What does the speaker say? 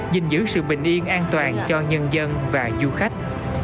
giữ sự bình yên an toàn cho nhân dân và du khách